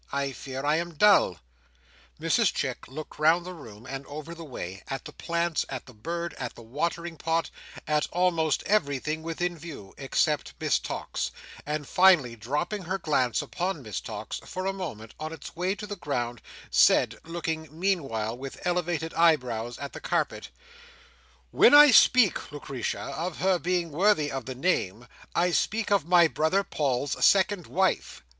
I fear I am dull." Mrs Chick looked round the room and over the way; at the plants, at the bird, at the watering pot, at almost everything within view, except Miss Tox; and finally dropping her glance upon Miss Tox, for a moment, on its way to the ground, said, looking meanwhile with elevated eyebrows at the carpet: "When I speak, Lucretia, of her being worthy of the name, I speak of my brother Paul's second wife.